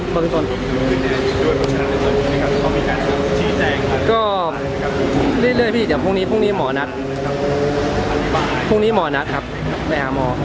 โปรดติดตามตอนต่อไป